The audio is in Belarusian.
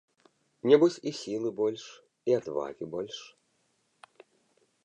Нябось і сілы больш, і адвагі больш.